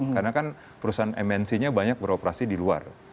karena kan perusahaan mnc nya banyak beroperasi di luar